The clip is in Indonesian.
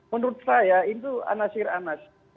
menurut saya itu anasir anasir